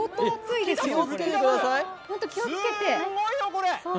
すごいよ、これ！